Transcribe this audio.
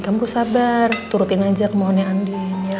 kamu harus sabar turutin aja kemauannya andi